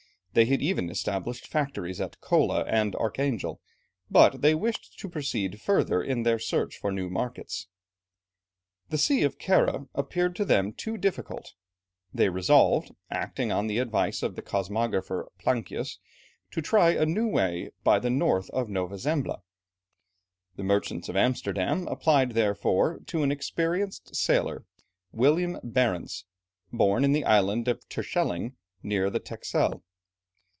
They had even established factories at Kola, and at Archangel, but they wished to proceed further in their search for new markets. The Sea of Kara appearing to them too difficult, they resolved, acting on the advice of the cosmographer Plancius, to try a new way by the north of Nova Zembla. The merchants of Amsterdam applied therefore, to an experienced sailor, William Barentz, born in the island of Terschelling, near the Texel.